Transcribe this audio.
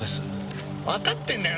チッわかってんだよ！